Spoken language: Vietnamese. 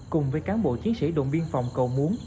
cùng với cán bộ chiến sĩ đồn biên phòng cầu muốn